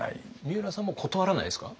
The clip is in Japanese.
みうらさんも断らないですか？